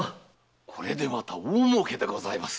これでまた大儲けでございます。